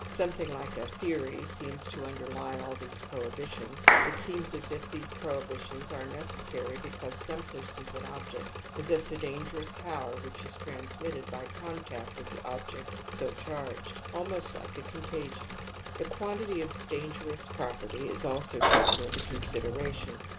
Something like a theory seems to imderlie all these prohibitions, it seems as if these prohibitions are necessary because some persons and objects possess a dangerous power N \ THE AMBIVALENCE OF EMOTIONS 87 which is transmitted by contact with the object so charged, ahnost Uke a contagion. The quantity of this dangerous property is also taken into consideration.